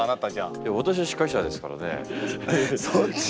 いや私は司会者ですからね。